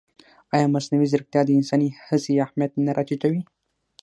ایا مصنوعي ځیرکتیا د انساني هڅې اهمیت نه راټیټوي؟